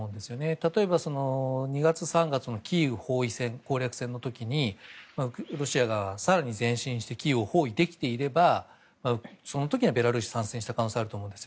例えば、２月、３月のキーウ攻略戦の時にロシアが更に前進してキーウを包囲できていればその時にはベラルーシが参加した可能性があると思うんですよ。